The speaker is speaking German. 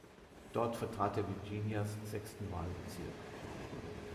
Dort vertrat er Virginias sechsten Wahlbezirk.